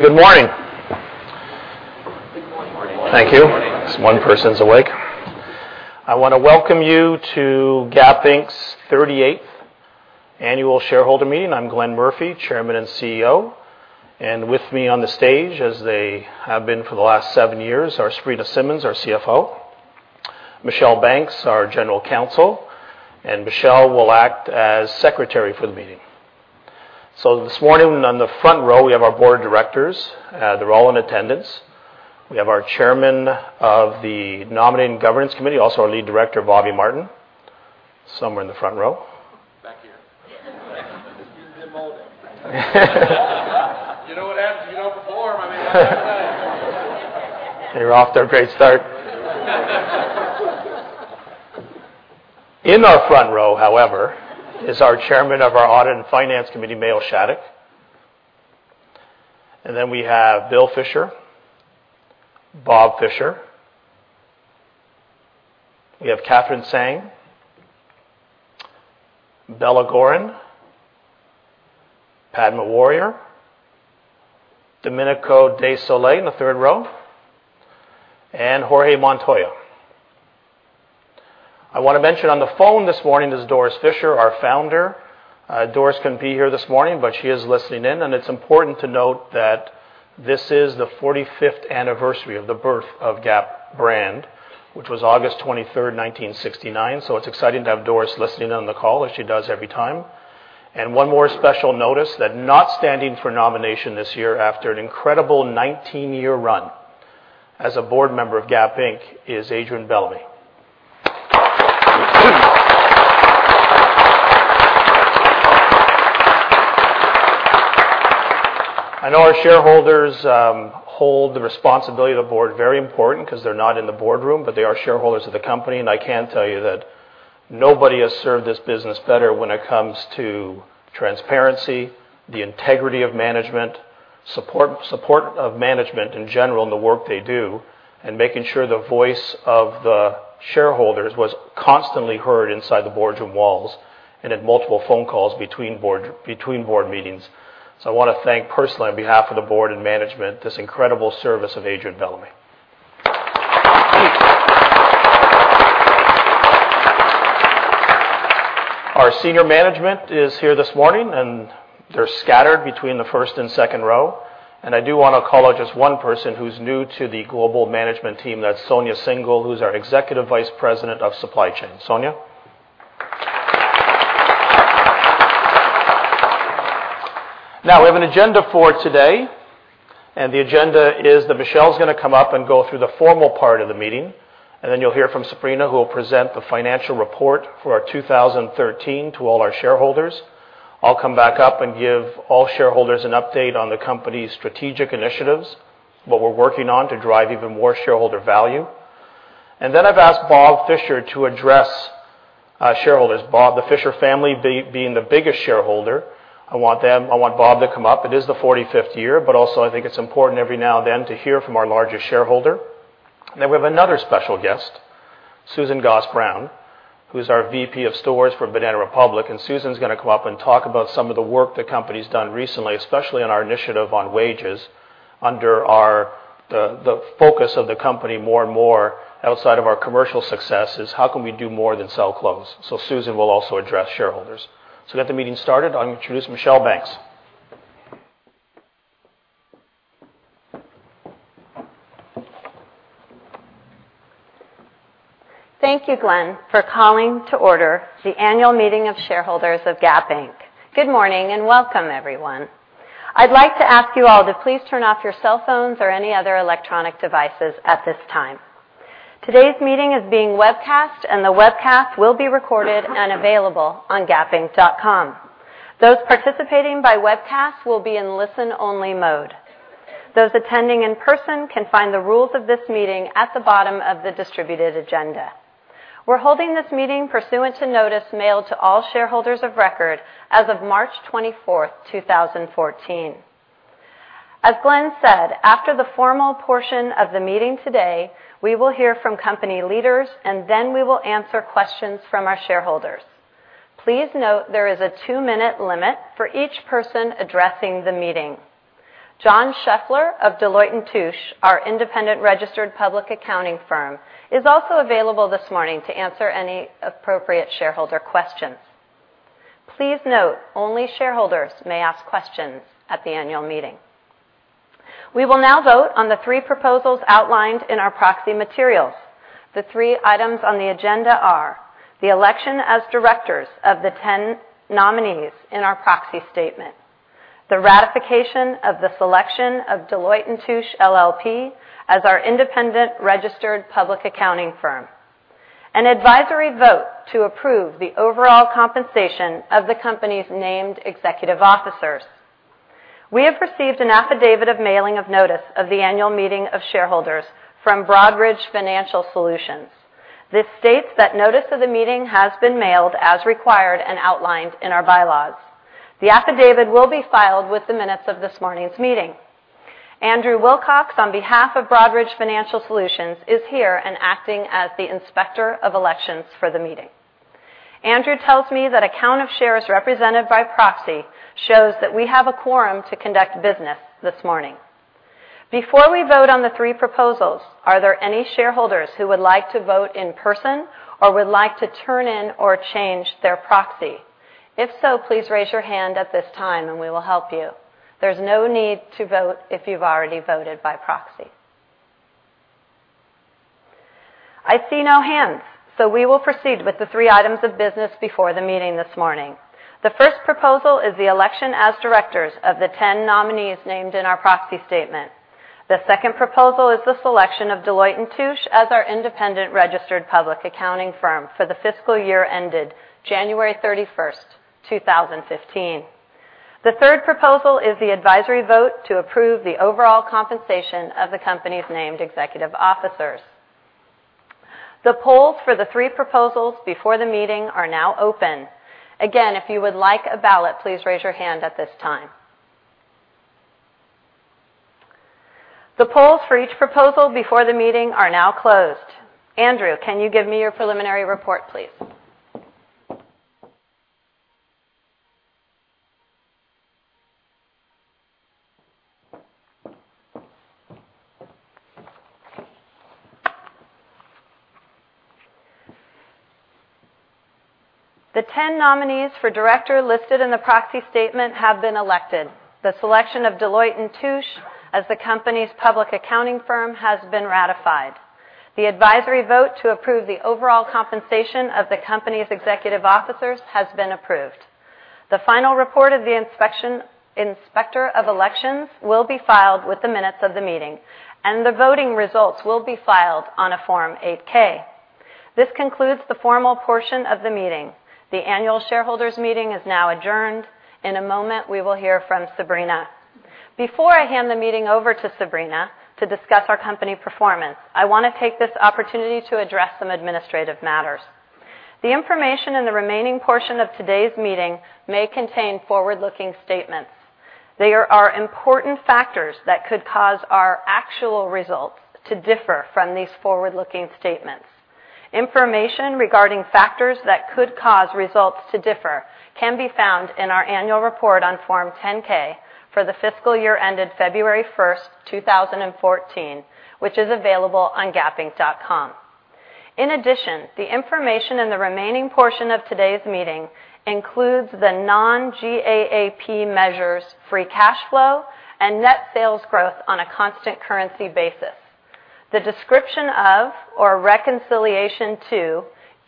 Good morning. Good morning. Thank you. One person's awake. I want to welcome you to Gap Inc.'s 38th annual shareholder meeting. I'm Glenn Murphy, Chairman and CEO. With me on the stage, as they have been for the last seven years, are Sabrina Simmons, our CFO, Michelle Banks, our General Counsel, and Michelle will act as Secretary for the meeting. This morning, on the front row, we have our Board of Directors. They're all in attendance. We have our Chairman of the Nominating Governance Committee, also our Lead Director, Bobby Martin, somewhere in the front row. Back here. Using dim lighting. You know what happens. You know the form. I mean, I don't know. You're off to a great start. In our front row, however, is our Chairman of our Audit and Finance Committee, Mayo Shattuck. We have Bill Fisher, Bob Fisher. We have Katherine Tsang, Bella Goren, Padma Warrior, Domenico De Sole in the third row, and Jorge Montoya. I want to mention on the phone this morning is Doris Fisher, our founder. Doris couldn't be here this morning, but she is listening in, and it's important to note that this is the 45th anniversary of the birth of Gap brand, which was August 23, 1969. It's exciting to have Doris listening in on the call as she does every time. One more special notice that not standing for nomination this year after an incredible 19-year run as a board member of Gap Inc. is Adrian Bellamy. I know our shareholders hold the responsibility of the board very important because they're not in the boardroom, but they are shareholders of the company, and I can tell you that nobody has served this business better when it comes to transparency, the integrity of management, support of management in general in the work they do, and making sure the voice of the shareholders was constantly heard inside the boardroom walls and in multiple phone calls between board meetings. I want to thank personally, on behalf of the board and management, this incredible service of Adrian Bellamy. Our senior management is here this morning, and they're scattered between the first and second row. I do want to call out just one person who's new to the global management team. That's Sonia Syngal, who's our Executive Vice President of Supply Chain. Sonia. We have an agenda for today, the agenda is that Michelle's going to come up and go through the formal part of the meeting, then you'll hear from Sabrina, who will present the financial report for our 2013 to all our shareholders. I'll come back up and give all shareholders an update on the company's strategic initiatives, what we're working on to drive even more shareholder value. I've asked Bob Fisher to address our shareholders. Bob, the Fisher family being the biggest shareholder. I want Bob to come up. It is the 45th year, also, I think it's important every now and then to hear from our largest shareholder. We have another special guest, Susan Goss Brown, who's our VP of Stores for Banana Republic, Susan's going to come up and talk about some of the work the company's done recently, especially on our initiative on wages under the focus of the company more and more outside of our commercial success is how can we do more than sell clothes. Susan will also address shareholders. To get the meeting started, I'm going to introduce Michelle Banks. Thank you, Glenn, for calling to order the annual meeting of shareholders of Gap Inc. Good morning and welcome everyone. I'd like to ask you all to please turn off your cell phones or any other electronic devices at this time. Today's meeting is being webcast, the webcast will be recorded and available on gapinc.com. Those participating by webcast will be in listen-only mode. Those attending in person can find the rules of this meeting at the bottom of the distributed agenda. We're holding this meeting pursuant to notice mailed to all shareholders of record as of March 24th, 2014. As Glenn said, after the formal portion of the meeting today, we will hear from company leaders, then we will answer questions from our shareholders. Please note there is a two-minute limit for each person addressing the meeting. John Scheffler of Deloitte & Touche, our independent registered public accounting firm, is also available this morning to answer any appropriate shareholder questions. Please note, only shareholders may ask questions at the annual meeting. We will now vote on the three proposals outlined in our proxy materials. The three items on the agenda are the election as directors of the 10 nominees in our proxy statement, the ratification of the selection of Deloitte & Touche LLP as our independent registered public accounting firm, an advisory vote to approve the overall compensation of the company's named executive officers. We have received an affidavit of mailing of notice of the annual meeting of shareholders from Broadridge Financial Solutions. This states that notice of the meeting has been mailed as required and outlined in our bylaws. The affidavit will be filed with the minutes of this morning's meeting. Andrew Wilcox, on behalf of Broadridge Financial Solutions, is here and acting as the Inspector of Elections for the meeting. Andrew tells me that a count of shares represented by proxy shows that we have a quorum to conduct business this morning. Before we vote on the three proposals, are there any shareholders who would like to vote in person or would like to turn in or change their proxy? If so, please raise your hand at this time and we will help you. There's no need to vote if you've already voted by proxy. I see no hands, we will proceed with the three items of business before the meeting this morning. The first proposal is the election as directors of the 10 nominees named in our proxy statement. The second proposal is the selection of Deloitte & Touche as our independent registered public accounting firm for the fiscal year ended January 31st, 2015. The third proposal is the advisory vote to approve the overall compensation of the company's named executive officers. The polls for the three proposals before the meeting are now open. Again, if you would like a ballot, please raise your hand at this time. The polls for each proposal before the meeting are now closed. Andrew, can you give me your preliminary report, please? The 10 nominees for director listed in the proxy statement have been elected. The selection of Deloitte & Touche as the company's public accounting firm has been ratified. The advisory vote to approve the overall compensation of the company's executive officers has been approved. The final report of the Inspector of Elections will be filed with the minutes of the meeting. The voting results will be filed on a Form 8-K. This concludes the formal portion of the meeting. The annual shareholders' meeting is now adjourned. In a moment, we will hear from Sabrina. Before I hand the meeting over to Sabrina to discuss our company performance, I want to take this opportunity to address some administrative matters. The information in the remaining portion of today's meeting may contain forward-looking statements. There are important factors that could cause our actual results to differ from these forward-looking statements. Information regarding factors that could cause results to differ can be found in our annual report on Form 10-K for the fiscal year ended February 1st, 2014, which is available on gapinc.com. In addition, the information in the remaining portion of today's meeting includes the non-GAAP measures free cash flow and net sales growth on a constant currency basis. The description of or reconciliation to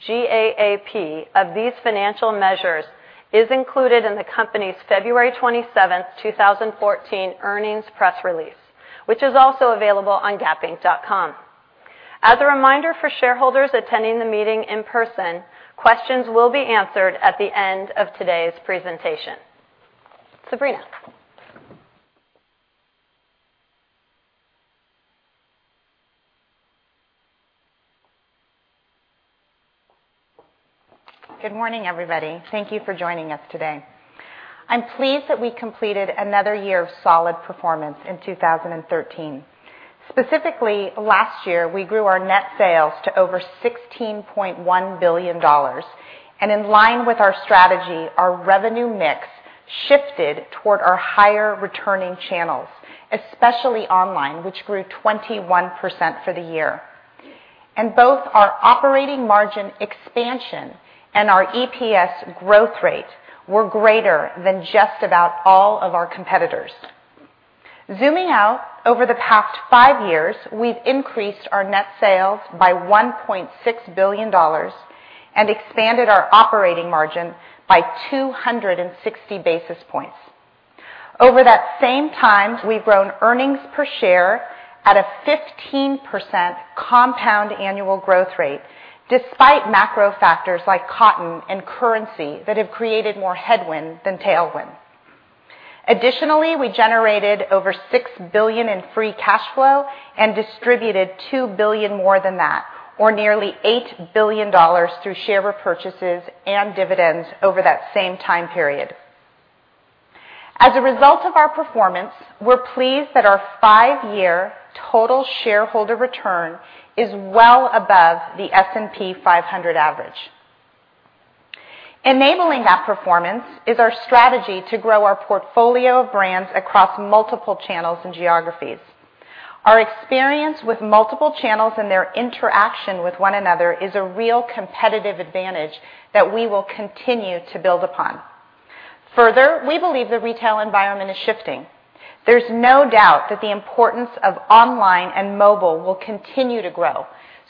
GAAP of these financial measures is included in the company's February 27th, 2014 earnings press release, which is also available on gapinc.com. As a reminder for shareholders attending the meeting in person, questions will be answered at the end of today's presentation. Sabrina. Good morning, everybody. Thank you for joining us today. I'm pleased that we completed another year of solid performance in 2013. Specifically, last year, we grew our net sales to over $16.1 billion. In line with our strategy, our revenue mix shifted toward our higher returning channels, especially online, which grew 21% for the year. Both our operating margin expansion and our EPS growth rate were greater than just about all of our competitors. Zooming out, over the past five years, we've increased our net sales by $1.6 billion and expanded our operating margin by 260 basis points. Over that same time, we've grown earnings per share at a 15% compound annual growth rate, despite macro factors like cotton and currency that have created more headwind than tailwind. Additionally, we generated over six billion in free cash flow and distributed two billion more than that, or nearly $8 billion through share repurchases and dividends over that same time period. As a result of our performance, we're pleased that our five-year total shareholder return is well above the S&P 500 average. Enabling that performance is our strategy to grow our portfolio of brands across multiple channels and geographies. Our experience with multiple channels and their interaction with one another is a real competitive advantage that we will continue to build upon. Further, we believe the retail environment is shifting. There's no doubt that the importance of online and mobile will continue to grow.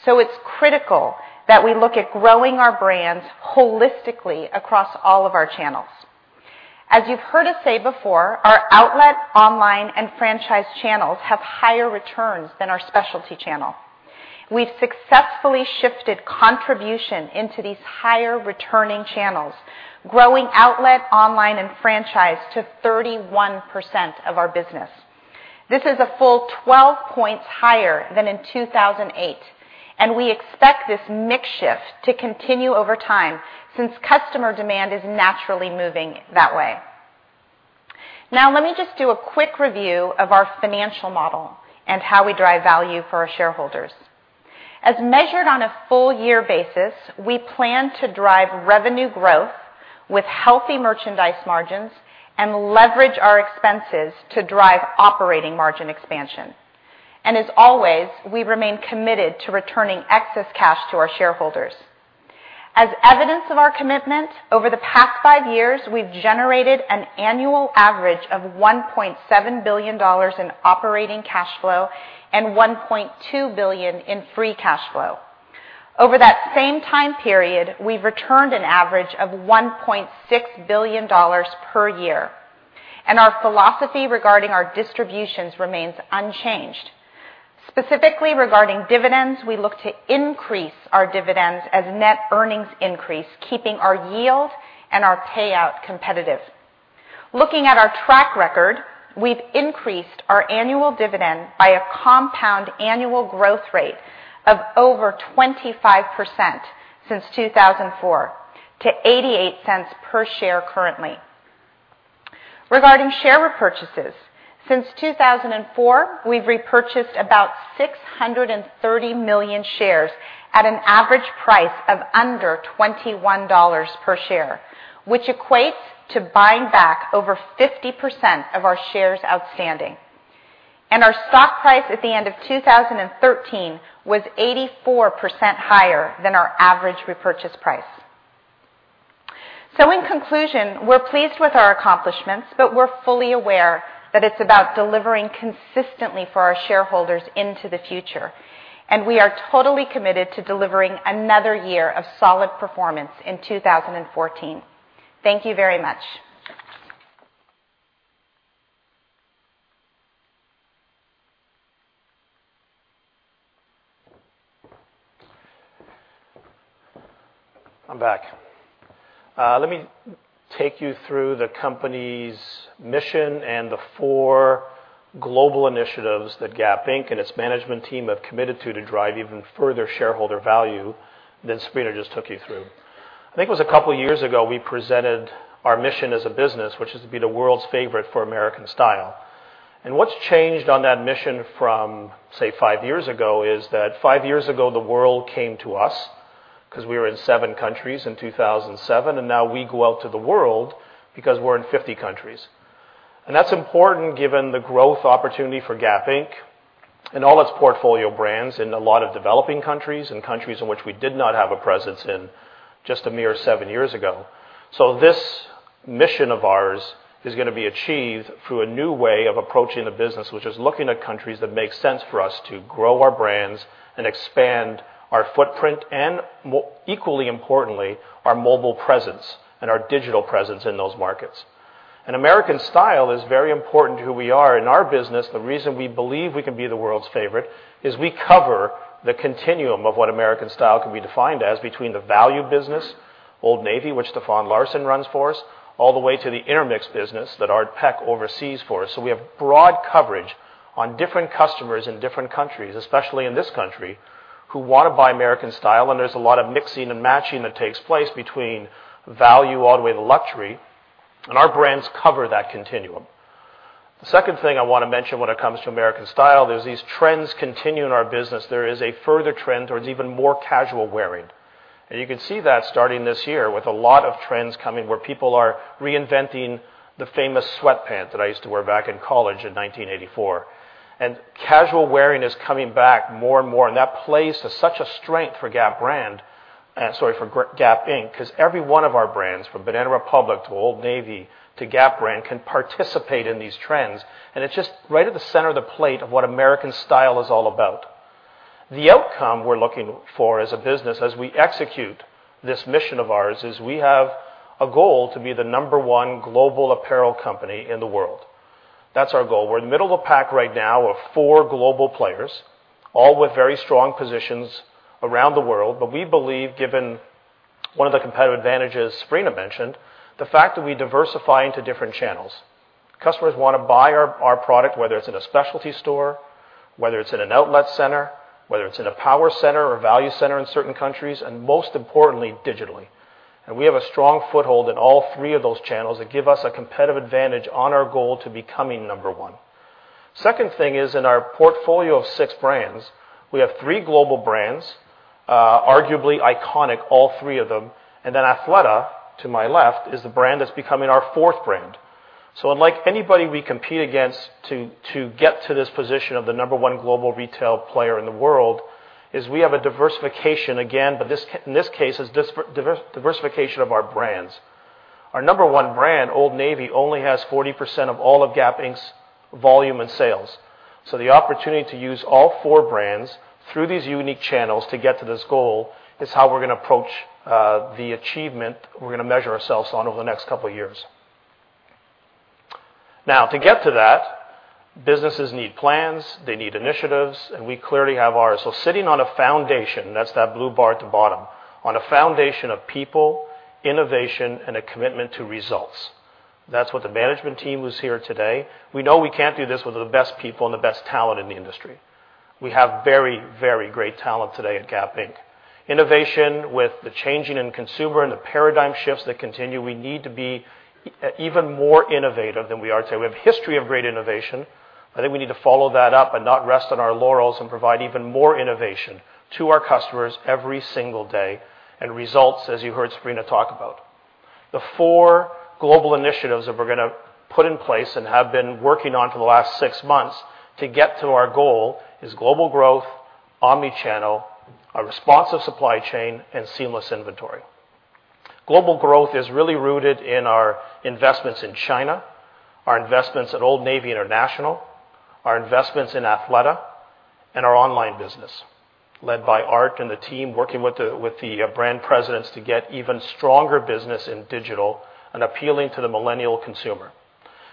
It's critical that we look at growing our brands holistically across all of our channels. As you've heard us say before, our outlet, online, and franchise channels have higher returns than our specialty channel. We've successfully shifted contribution into these higher returning channels, growing outlet, online, and franchise to 31% of our business. This is a full 12 points higher than in 2008, and we expect this mix shift to continue over time since customer demand is naturally moving that way. Let me just do a quick review of our financial model and how we drive value for our shareholders. As measured on a full year basis, we plan to drive revenue growth with healthy merchandise margins and leverage our expenses to drive operating margin expansion. As always, we remain committed to returning excess cash to our shareholders. As evidence of our commitment, over the past five years, we've generated an annual average of $1.7 billion in operating cash flow and $1.2 billion in free cash flow. Over that same time period, we've returned an average of $1.6 billion per year, our philosophy regarding our distributions remains unchanged. Specifically regarding dividends, we look to increase our dividends as net earnings increase, keeping our yield and our payout competitive. Looking at our track record, we've increased our annual dividend by a compound annual growth rate of over 25% since 2004 to $0.88 per share currently. Regarding share repurchases, since 2004, we've repurchased about 630 million shares at an average price of under $21 per share, which equates to buying back over 50% of our shares outstanding. Our stock price at the end of 2013 was 84% higher than our average repurchase price. In conclusion, we're pleased with our accomplishments, but we're fully aware that it's about delivering consistently for our shareholders into the future. We are totally committed to delivering another year of solid performance in 2014. Thank you very much. I'm back. Let me take you through the company's mission and the four global initiatives that Gap Inc. and its management team have committed to drive even further shareholder value than Sabrina just took you through. I think it was a couple of years ago, we presented our mission as a business, which is to be the world's favorite for American style. What's changed on that mission from, say, five years ago, is that five years ago, the world came to us because we were in seven countries in 2007, and now we go out to the world because we're in 50 countries. That's important given the growth opportunity for Gap Inc. and all its portfolio brands in a lot of developing countries and countries in which we did not have a presence in just a mere seven years ago. This mission of ours is going to be achieved through a new way of approaching the business, which is looking at countries that make sense for us to grow our brands and expand our footprint, and equally importantly, our mobile presence and our digital presence in those markets. American style is very important to who we are in our business. The reason we believe we can be the world's favorite is we cover the continuum of what American style can be defined as between the value business, Old Navy, which Stefan Larsson runs for us, all the way to the Intermix business that Art Peck oversees for us. We have broad coverage on different customers in different countries, especially in this country, who want to buy American style. There's a lot of mixing and matching that takes place between value all the way to luxury, and our brands cover that continuum. The second thing I want to mention when it comes to American style, these trends continue in our business. There is a further trend towards even more casual wearing. You can see that starting this year with a lot of trends coming where people are reinventing the famous sweatpant that I used to wear back in college in 1984. Casual wearing is coming back more and more, and that plays to such a strength for Gap Inc., because every one of our brands, from Banana Republic to Old Navy to Gap brand, can participate in these trends. It's just right at the center of the plate of what American style is all about. The outcome we're looking for as a business as we execute this mission of ours is we have a goal to be the number one global apparel company in the world. That's our goal. We're in the middle of the pack right now of four global players, all with very strong positions around the world. We believe, given one of the competitive advantages Sabrina mentioned, the fact that we diversify into different channels. Customers want to buy our product, whether it's in a specialty store, whether it's in an outlet center, whether it's in a power center or value center in certain countries, and most importantly, digitally. We have a strong foothold in all three of those channels that give us a competitive advantage on our goal to becoming number one. Second thing is, in our portfolio of six brands, we have three global brands, arguably iconic, all three of them. Athleta, to my left, is the brand that's becoming our fourth brand. Unlike anybody we compete against to get to this position of the number one global retail player in the world, is we have a diversification again. In this case, it's diversification of our brands. Our number one brand, Old Navy, only has 40% of all of Gap Inc.'s volume and sales. The opportunity to use all four brands through these unique channels to get to this goal is how we're going to approach the achievement we're going to measure ourselves on over the next couple of years. To get to that, businesses need plans, they need initiatives, and we clearly have ours. Sitting on a foundation, that's that blue bar at the bottom, on a foundation of people, innovation, and a commitment to results. That's what the management team who's here today. We know we can't do this without the best people and the best talent in the industry. We have very great talent today at Gap Inc. Innovation with the changing in consumer and the paradigm shifts that continue, we need to be even more innovative than we are today. We have history of great innovation. I think we need to follow that up and not rest on our laurels and provide even more innovation to our customers every single day, and results, as you heard Sabrina talk about. The four Global Initiatives that we're going to put in place and have been working on for the last six months to get to our goal is Global Growth, Omnichannel, a Responsive Supply Chain, and Seamless Inventory. Global Growth is really rooted in our investments in China, our investments at Old Navy International, our investments in Athleta, and our online business, led by Art and the team working with the brand presidents to get even stronger business in digital and appealing to the millennial consumer.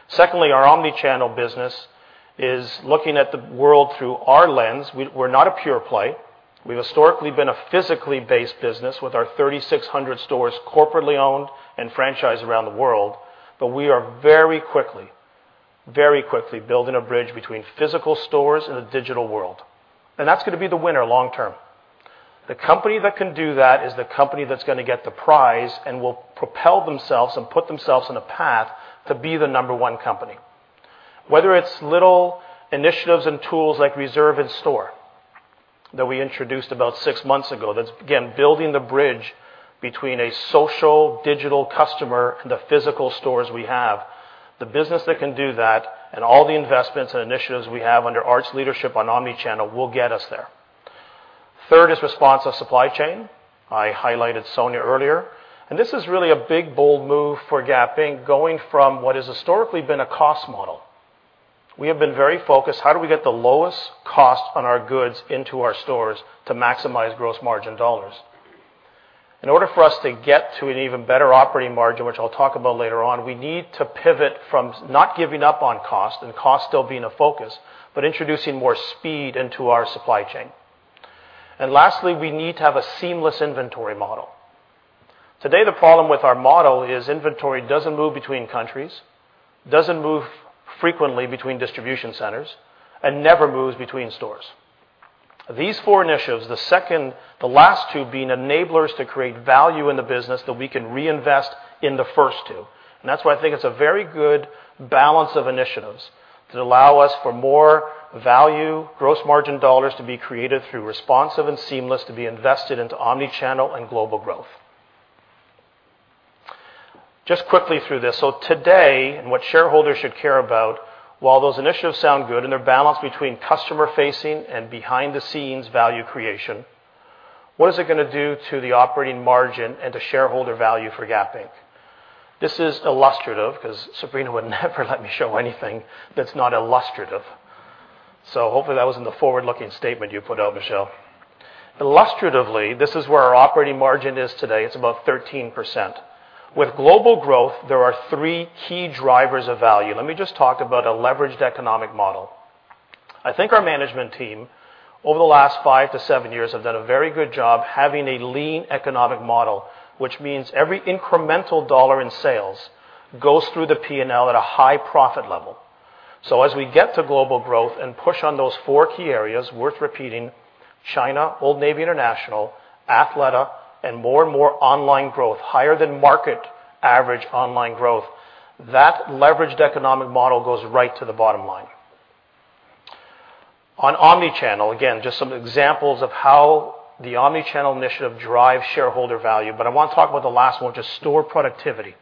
Secondly, our Omnichannel business is looking at the world through our lens. We're not a pure play. We've historically been a physically based business with our 3,600 stores corporately owned and franchised around the world. We are very quickly building a bridge between physical stores and the digital world. That's going to be the winner long term. The company that can do that is the company that's going to get the prize and will propel themselves and put themselves on a path to be the number 1 company. Whether it's little initiatives and tools like Reserve in Store that we introduced about six months ago, that's, again, building the bridge between a social digital customer and the physical stores we have. The business that can do that and all the investments and initiatives we have under Art's leadership on Omnichannel will get us there. Third is Responsive Supply Chain. I highlighted Sonia earlier. This is really a big, bold move for Gap Inc. going from what has historically been a cost model. We have been very focused, how do we get the lowest cost on our goods into our stores to maximize gross margin dollars? In order for us to get to an even better operating margin, which I'll talk about later on, we need to pivot from not giving up on cost and cost still being a focus, but introducing more speed into our supply chain. Lastly, we need to have a Seamless Inventory model. Today, the problem with our model is inventory doesn't move between countries, doesn't move frequently between distribution centers, and never moves between stores. These four initiatives, the last two being enablers to create value in the business that we can reinvest in the first two. That's why I think it's a very good balance of initiatives that allow us for more value, gross margin dollars to be created through Responsive and Seamless to be invested into Omnichannel and Global Growth. Just quickly through this. Today, and what shareholders should care about, while those initiatives sound good and they are balanced between customer-facing and behind-the-scenes value creation, what is it going to do to the operating margin and to shareholder value for Gap Inc.? This is illustrative because Sabrina would never let me show anything that is not illustrative. Hopefully that was in the forward-looking statement you put out, Michelle. Illustratively, this is where our operating margin is today. It is about 13%. With global growth, there are three key drivers of value. Let me just talk about a leveraged economic model. I think our management team, over the last five to seven years, have done a very good job having a lean economic model, which means every incremental dollar in sales goes through the P&L at a high profit level. As we get to global growth and push on those four key areas, worth repeating, China, Old Navy International, Athleta, and more online growth, higher than market average online growth, that leveraged economic model goes right to the bottom line. On omnichannel, again, just some examples of how the omnichannel initiative drives shareholder value, I want to talk about the last one, just store productivity.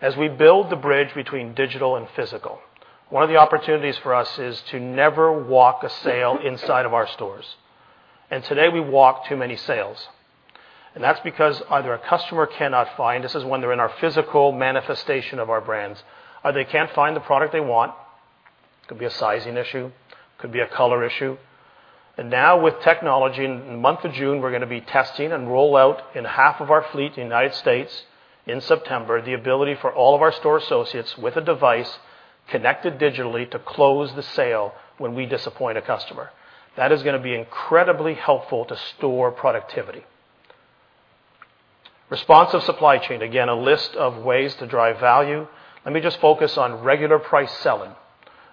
As we build the bridge between digital and physical, one of the opportunities for us is to never walk a sale inside of our stores. Today, we walk too many sales. That is because either a customer cannot find, this is when they are in our physical manifestation of our brands, or they cannot find the product they want. It could be a sizing issue. It could be a color issue. Now with technology, in the month of June, we are going to be testing and roll out in half of our fleet in the U.S. in September, the ability for all of our store associates with a device connected digitally to close the sale when we disappoint a customer. That is going to be incredibly helpful to store productivity. Responsive supply chain. Again, a list of ways to drive value. Let me just focus on regular price selling.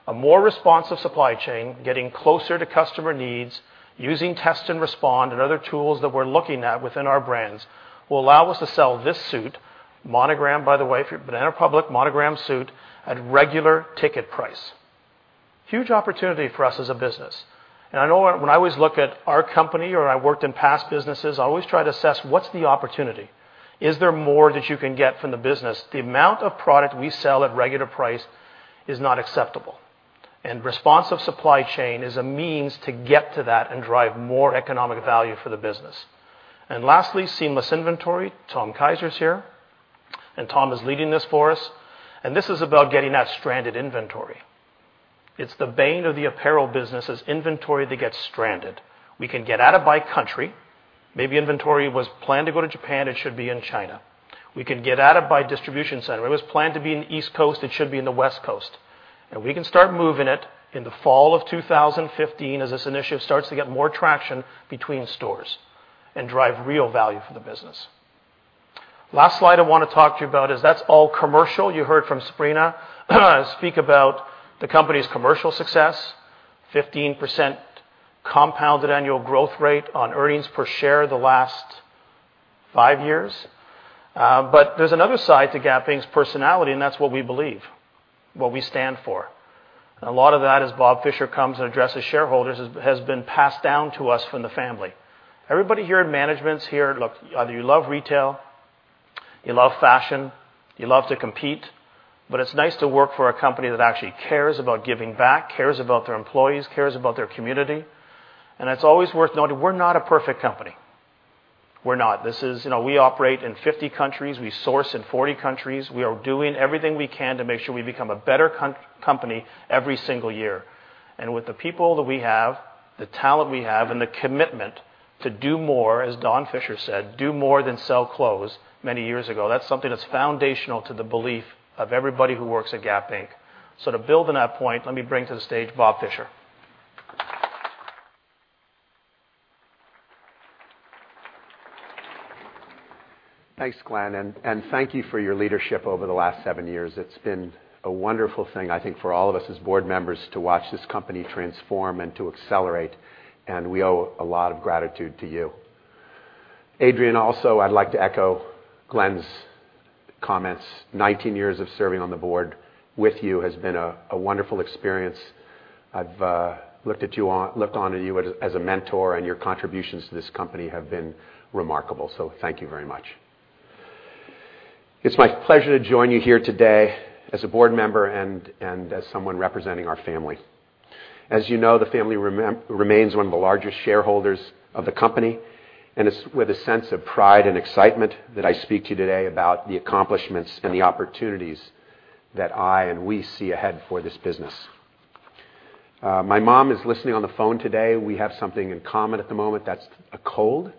A more responsive supply chain, getting closer to customer needs, using test and respond and other tools that we are looking at within our brands will allow us to sell this suit, monogrammed, by the way, Banana Republic monogrammed suit at regular ticket price. Huge opportunity for us as a business. I know when I always look at our company or I worked in past businesses, I always try to assess what is the opportunity. Is there more that you can get from the business? The amount of product we sell at regular price is not acceptable. Responsive supply chain is a means to get to that and drive more economic value for the business. Lastly, seamless inventory. Tom Keiser is here, Tom is leading this for us. This is about getting that stranded inventory. It is the bane of the apparel business is inventory that gets stranded. We can get at it by country. Maybe inventory was planned to go to Japan, it should be in China. We can get at it by distribution center. It was planned to be in the East Coast, it should be in the West Coast. We can start moving it in the fall of 2015 as this initiative starts to get more traction between stores and drive real value for the business. Last slide I want to talk to you about is that's all commercial. You heard from Sabrina speak about the company's commercial success, 15% compounded annual growth rate on earnings per share the last five years. There's another side to Gap Inc.'s personality, and that's what we believe, what we stand for. A lot of that, as Bob Fisher comes and addresses shareholders, has been passed down to us from the family. Everybody here in management here, look, either you love retail, you love fashion, you love to compete, but it's nice to work for a company that actually cares about giving back, cares about their employees, cares about their community. It's always worth noting, we're not a perfect company. We're not. We operate in 50 countries. We source in 40 countries. We are doing everything we can to make sure we become a better company every single year. With the people that we have, the talent we have, and the commitment to do more, as Don Fisher said, "Do more than sell clothes," many years ago. That's something that's foundational to the belief of everybody who works at Gap Inc. To build on that point, let me bring to the stage Bob Fisher. Thanks, Glenn, and thank you for your leadership over the last seven years. It's been a wonderful thing, I think, for all of us as board members to watch this company transform and to accelerate, and we owe a lot of gratitude to you. Adrian, also, I'd like to echo Glenn's comments. 19 years of serving on the board with you has been a wonderful experience. I've looked on to you as a mentor, and your contributions to this company have been remarkable, so thank you very much. It's my pleasure to join you here today as a board member and as someone representing our family. As you know, the family remains one of the largest shareholders of the company, and it's with a sense of pride and excitement that I speak to you today about the accomplishments and the opportunities that I and we see ahead for this business. My mom is listening on the phone today. We have something in common at the moment. That's a cold,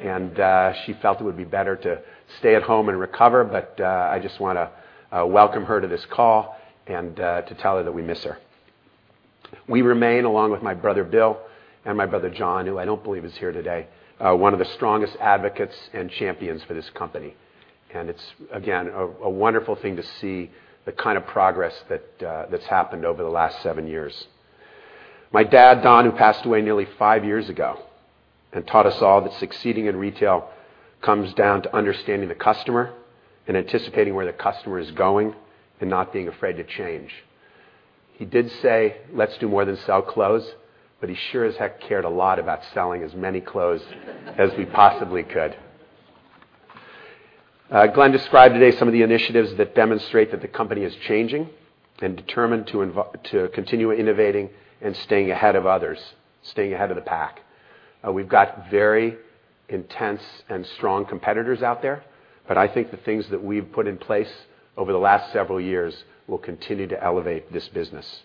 and she felt it would be better to stay at home and recover, but I just want to welcome her to this call and to tell her that we miss her. We remain, along with my brother Bill and my brother John, who I don't believe is here today, one of the strongest advocates and champions for this company. It's, again, a wonderful thing to see the kind of progress that's happened over the last seven years. My dad, Don, who passed away nearly five years ago and taught us all that succeeding in retail comes down to understanding the customer and anticipating where the customer is going and not being afraid to change. He did say, "Let's do more than sell clothes," but he sure as heck cared a lot about selling as many clothes as we possibly could. Glenn described today some of the initiatives that demonstrate that the company is changing and determined to continue innovating and staying ahead of others, staying ahead of the pack. We've got very intense and strong competitors out there, but I think the things that we've put in place over the last several years will continue to elevate this business.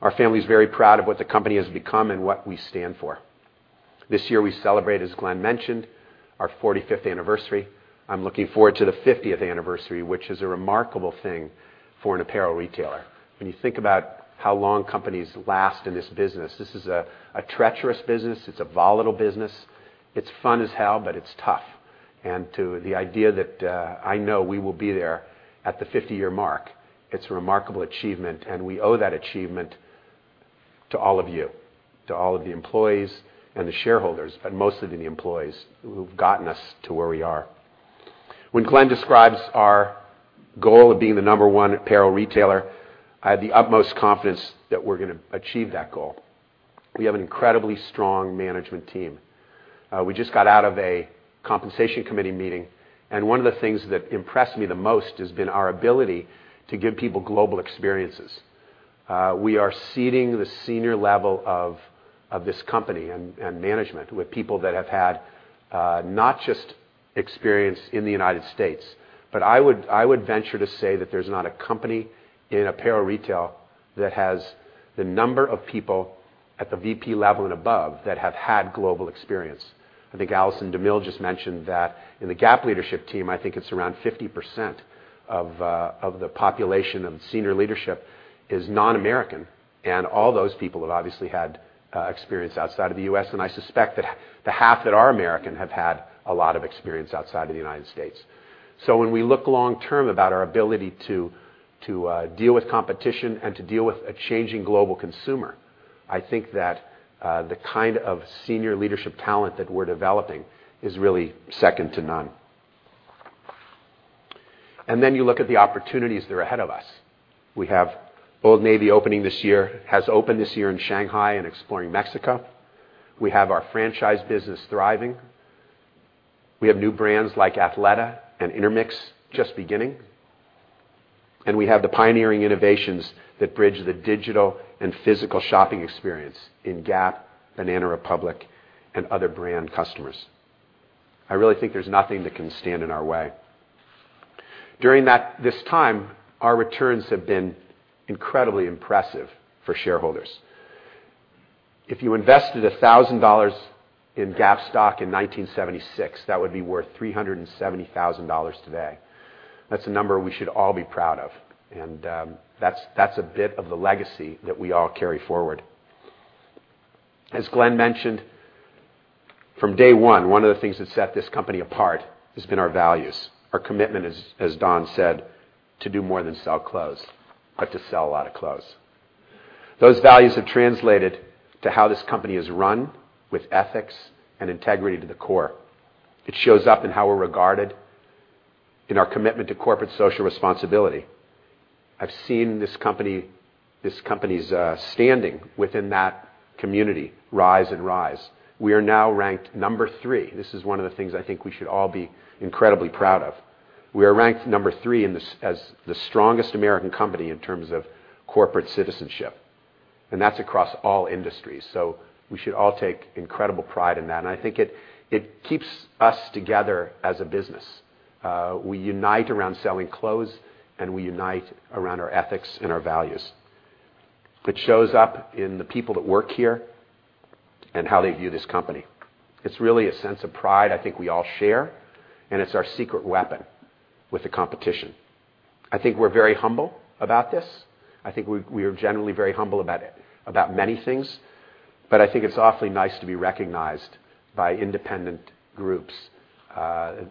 Our family's very proud of what the company has become and what we stand for. This year, we celebrate, as Glenn mentioned, our 45th anniversary. I'm looking forward to the 50th anniversary, which is a remarkable thing for an apparel retailer. When you think about how long companies last in this business, this is a treacherous business. It's a volatile business. It's fun as hell, but it's tough. To the idea that I know we will be there at the 50-year mark, it's a remarkable achievement, and we owe that achievement to all of you, to all of the employees and the shareholders, but mostly to the employees who've gotten us to where we are. When Glenn describes our goal of being the number one apparel retailer, I have the utmost confidence that we're going to achieve that goal. We have an incredibly strong management team. We just got out of a compensation committee meeting, and one of the things that impressed me the most has been our ability to give people global experiences. We are seating the senior level of this company and management with people that have had not just experience in the U.S., but I would venture to say that there's not a company in apparel retail that has the number of people at the VP level and above that have had global experience. I think Allison DeMille just mentioned that in the Gap leadership team, I think it's around 50% of the population of senior leadership is non-American, and all those people have obviously had experience outside of the U.S. I suspect that the half that are American have had a lot of experience outside of the U.S. When we look long term about our ability to deal with competition and to deal with a changing global consumer, I think that the kind of senior leadership talent that we're developing is really second to none. You look at the opportunities that are ahead of us. We have Old Navy opening this year, has opened this year in Shanghai and exploring Mexico. We have our franchise business thriving. We have new brands like Athleta and Intermix just beginning. We have the pioneering innovations that bridge the digital and physical shopping experience in Gap and Banana Republic and other brand customers. I really think there's nothing that can stand in our way. During this time, our returns have been incredibly impressive for shareholders. If you invested $1,000 in Gap stock in 1976, that would be worth $370,000 today. That's a number we should all be proud of, and that's a bit of the legacy that we all carry forward. As Glenn Murphy mentioned, from day one of the things that set this company apart has been our values, our commitment, as Don Fisher said, to do more than sell clothes, but to sell a lot of clothes. Those values have translated to how this company is run with ethics and integrity to the core. It shows up in how we're regarded in our commitment to corporate social responsibility. I've seen this company's standing within that community rise and rise. We are now ranked number three. This is one of the things I think we should all be incredibly proud of. We are ranked number three as the strongest American company in terms of corporate citizenship, and that's across all industries. We should all take incredible pride in that, and I think it keeps us together as a business. We unite around selling clothes, and we unite around our ethics and our values. It shows up in the people that work here and how they view this company. It's really a sense of pride I think we all share, and it's our secret weapon with the competition. I think we're very humble about this. I think we are generally very humble about many things. I think it's awfully nice to be recognized by independent groups,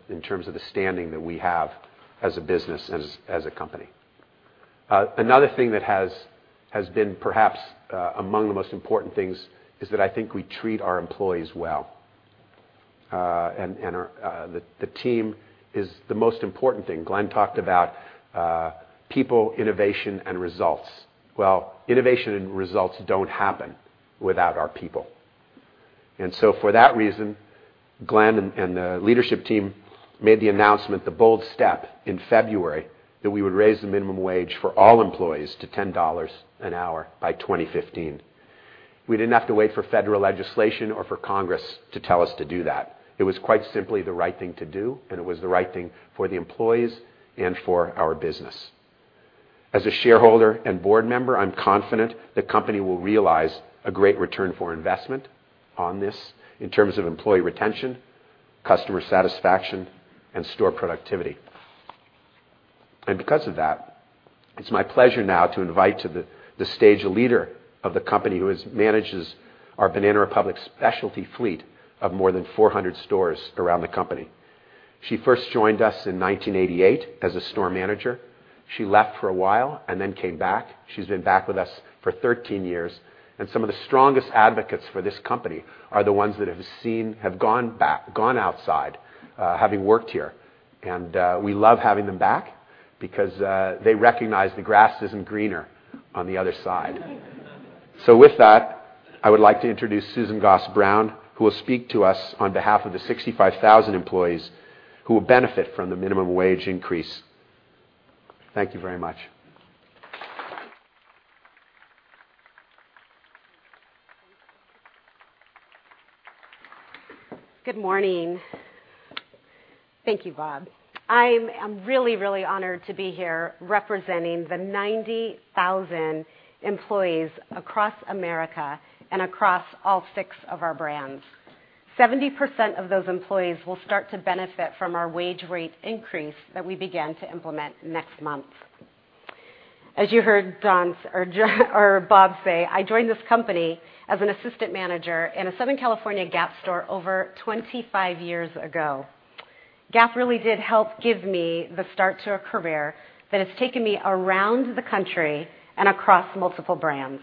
in terms of the standing that we have as a business and as a company. Another thing that has been perhaps among the most important things is that I think we treat our employees well. The team is the most important thing. Glenn Murphy talked about people, innovation, and results. Well, innovation and results don't happen without our people. For that reason, Glenn Murphy and the leadership team made the announcement, the bold step in February, that we would raise the minimum wage for all employees to $10 an hour by 2015. We didn't have to wait for federal legislation or for Congress to tell us to do that. It was quite simply the right thing to do, and it was the right thing for the employees and for our business. As a shareholder and board member, I'm confident the company will realize a great return for investment on this in terms of employee retention, customer satisfaction, and store productivity. Because of that, it's my pleasure now to invite to the stage a leader of the company who manages our Banana Republic specialty fleet of more than 400 stores around the company. She first joined us in 1988 as a store manager. She left for a while and then came back. She's been back with us for 13 years, and some of the strongest advocates for this company are the ones that have gone outside having worked here. We love having them back because they recognize the grass isn't greener on the other side. With that, I would like to introduce Susan Goss Brown, who will speak to us on behalf of the 65,000 employees who will benefit from the minimum wage increase. Thank you very much. Good morning. Thank you, Bob. I'm really honored to be here representing the 90,000 employees across America and across all six of our brands. 70% of those employees will start to benefit from our wage rate increase that we begin to implement next month. As you heard Bob say, I joined this company as an assistant manager in a Southern California Gap store over 25 years ago. Gap really did help give me the start to a career that has taken me around the country and across multiple brands.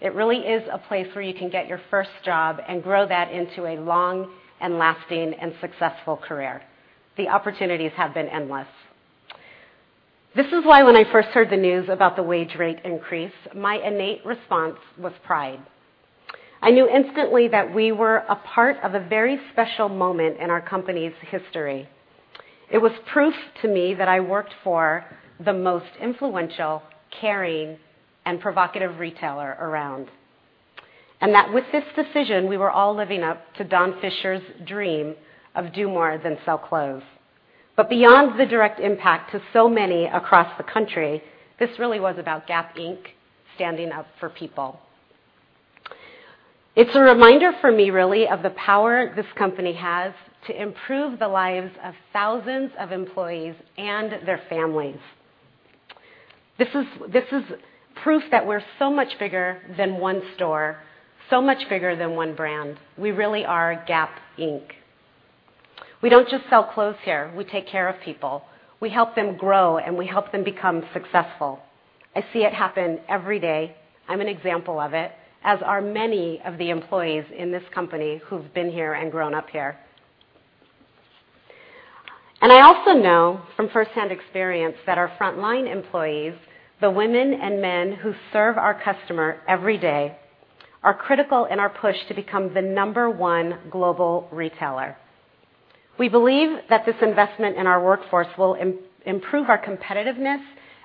It really is a place where you can get your first job and grow that into a long and lasting, and successful career. The opportunities have been endless. This is why when I first heard the news about the wage rate increase, my innate response was pride. I knew instantly that we were a part of a very special moment in our company's history. It was proof to me that I worked for the most influential, caring, and provocative retailer around. With this decision, we were all living up to Don Fisher's dream of do more than sell clothes. Beyond the direct impact to so many across the country, this really was about Gap Inc. standing up for people. It's a reminder for me really of the power this company has to improve the lives of thousands of employees and their families. This is proof that we're so much bigger than one store, so much bigger than one brand. We really are Gap Inc. We don't just sell clothes here. We take care of people. We help them grow, and we help them become successful. I see it happen every day. I'm an example of it, as are many of the employees in this company who've been here and grown up here. I also know from firsthand experience that our frontline employees, the women and men who serve our customer every day, are critical in our push to become the number one global retailer. We believe that this investment in our workforce will improve our competitiveness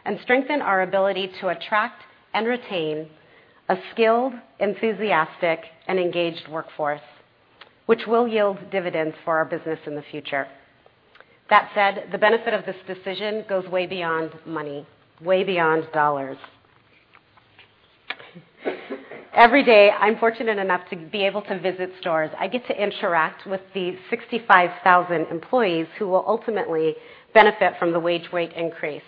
and strengthen our ability to attract and retain a skilled, enthusiastic, and engaged workforce, which will yield dividends for our business in the future. That said, the benefit of this decision goes way beyond money, way beyond dollars. Every day, I'm fortunate enough to be able to visit stores. I get to interact with the 65,000 employees who will ultimately benefit from the wage rate increase.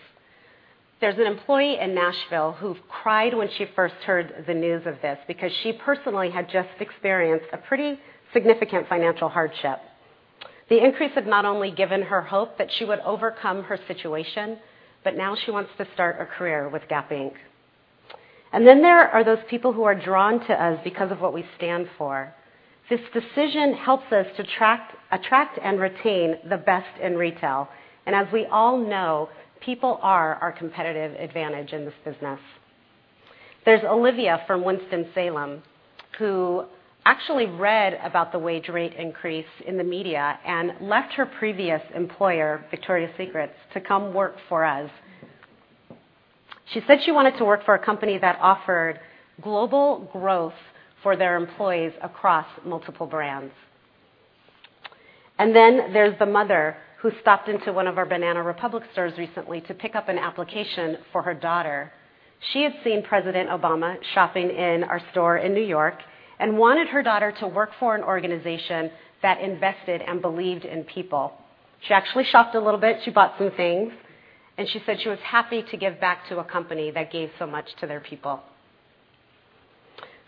There's an employee in Nashville who cried when she first heard the news of this because she personally had just experienced a pretty significant financial hardship. The increase had not only given her hope that she would overcome her situation, but now she wants to start a career with Gap Inc. There are those people who are drawn to us because of what we stand for. This decision helps us to attract and retain the best in retail. As we all know, people are our competitive advantage in this business. There's Olivia from Winston-Salem, who actually read about the wage rate increase in the media and left her previous employer, Victoria's Secret, to come work for us. She said she wanted to work for a company that offered global growth for their employees across multiple brands. There's the mother who stopped into one of our Banana Republic stores recently to pick up an application for her daughter. She had seen President Obama shopping in our store in New York and wanted her daughter to work for an organization that invested and believed in people. She actually shopped a little bit. She bought some things. She said she was happy to give back to a company that gave so much to their people.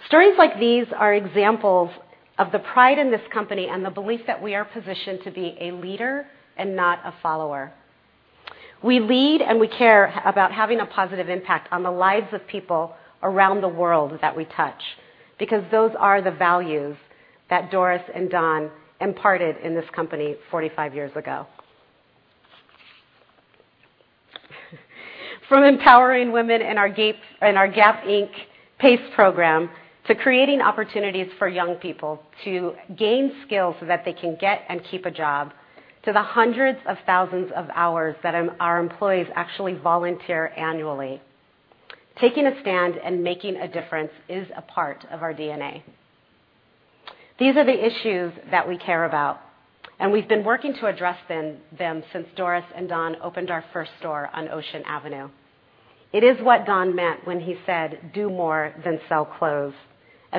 Stories like these are examples of the pride in this company and the belief that we are positioned to be a leader and not a follower. We lead and we care about having a positive impact on the lives of people around the world that we touch because those are the values that Doris and Don imparted in this company 45 years ago. From empowering women in our Gap Inc. PACE program, to creating opportunities for young people to gain skills so that they can get and keep a job, to the hundreds of thousands of hours that our employees actually volunteer annually. Taking a stand and making a difference is a part of our DNA. These are the issues that we care about, and we've been working to address them since Doris and Don opened our first store on Ocean Avenue. It is what Don meant when he said, "Do more than sell clothes."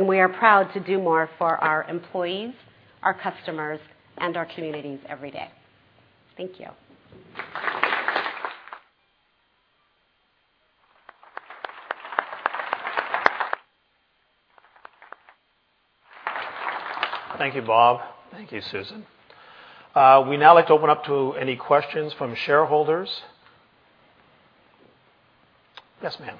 We are proud to do more for our employees, our customers, and our communities every day. Thank you. Thank you, Bob. Thank you, Susan. We'd now like to open up to any questions from shareholders. Yes, ma'am. Thank you. Should I stand out here? Okay. Good morning.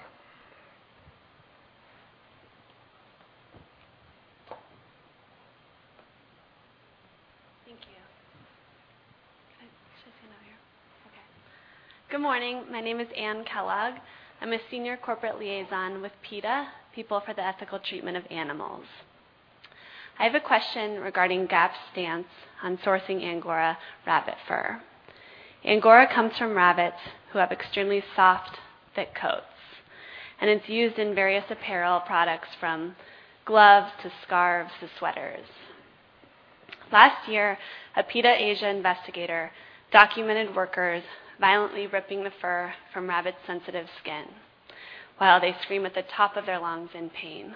My name is Anne Kellogg. I'm a senior corporate liaison with PETA, People for the Ethical Treatment of Animals. I have a question regarding Gap's stance on sourcing angora rabbit fur. angora comes from rabbits who have extremely soft, thick coats, and it's used in various apparel products from gloves to scarves to sweaters. Last year, a PETA Asia investigator documented workers violently ripping the fur from rabbits' sensitive skin while they scream at the top of their lungs in pain.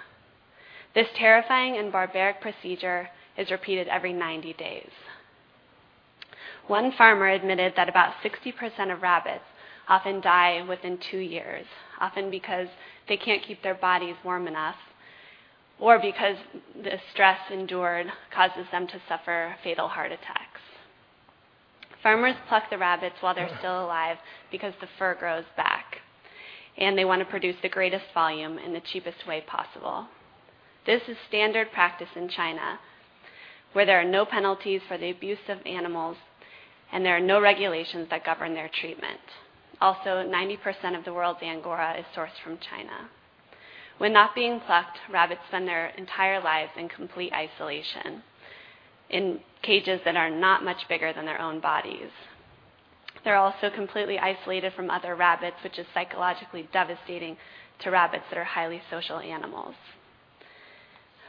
This terrifying and barbaric procedure is repeated every 90 days. One farmer admitted that about 60% of rabbits often die within two years, often because they can't keep their bodies warm enough or because the stress endured causes them to suffer fatal heart attacks. Farmers pluck the rabbits while they're still alive because the fur grows back, and they want to produce the greatest volume in the cheapest way possible. This is standard practice in China, where there are no penalties for the abuse of animals and there are no regulations that govern their treatment. Also, 90% of the world's angora is sourced from China. When not being plucked, rabbits spend their entire life in complete isolation in cages that are not much bigger than their own bodies. They're also completely isolated from other rabbits, which is psychologically devastating to rabbits that are highly social animals.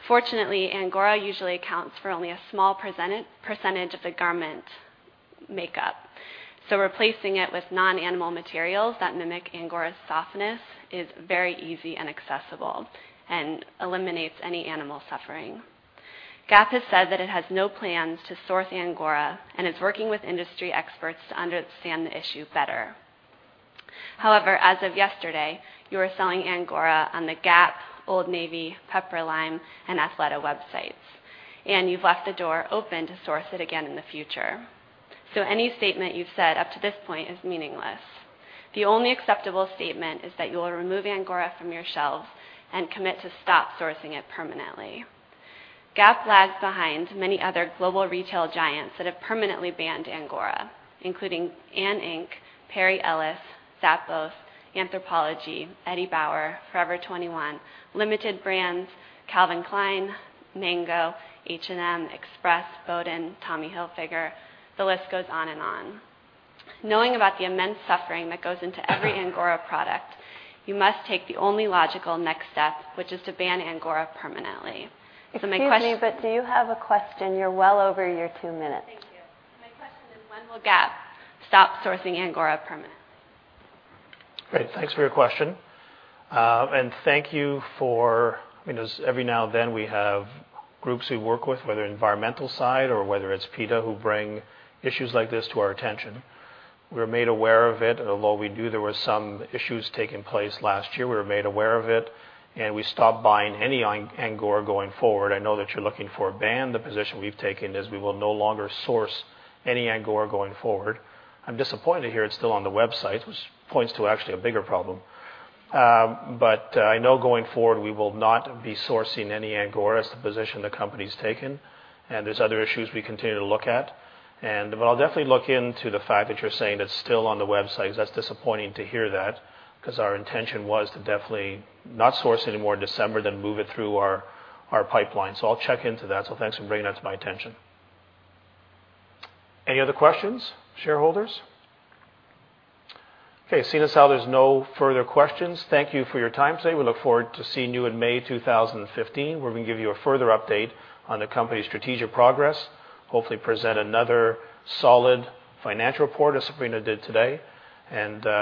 Fortunately, angora usually accounts for only a small percentage of the garment makeup. Replacing it with non-animal materials that mimic angora's softness is very easy and accessible and eliminates any animal suffering. Gap has said that it has no plans to source angora and is working with industry experts to understand the issue better. However, as of yesterday, you were selling angora on the Gap, Old Navy, Piperlime, and Athleta websites, and you've left the door open to source it again in the future. Any statement you've said up to this point is meaningless. The only acceptable statement is that you will remove angora from your shelves and commit to stop sourcing it permanently. Gap lags behind many other global retail giants that have permanently banned angora, including L Brands, Perry Ellis, Zappos, Anthropologie, Eddie Bauer, Forever 21, Limited Brands, Calvin Klein, Mango, H&M, Express, Boden, Tommy Hilfiger. The list goes on and on. Knowing about the immense suffering that goes into every angora product, you must take the only logical next step, which is to ban angora permanently. My question- Excuse me, do you have a question? You're well over your two minutes. Thank you. My question is, when will Gap stop sourcing angora permanently? Great. Thanks for your question. Thank you. Because every now and then we have groups we work with, whether environmental side or whether it's PETA, who bring issues like this to our attention. We were made aware of it, although we knew there were some issues taking place last year. We were made aware of it. We stopped buying any angora going forward. I know that you're looking for a ban. The position we've taken is we will no longer source any angora going forward. I'm disappointed to hear it's still on the website, which points to actually a bigger problem. I know going forward, we will not be sourcing any angora is the position the company's taken. There's other issues we continue to look at. I'll definitely look into the fact that you're saying it's still on the website, because that's disappointing to hear that because our intention was to definitely not source any more in December than move it through our pipeline. I'll check into that. Thanks for bringing that to my attention. Any other questions, shareholders? Okay, seeing as how there's no further questions, thank you for your time today. We look forward to seeing you in May 2015, where we can give you a further update on the company's strategic progress, hopefully present another solid financial report as Sabrina did today.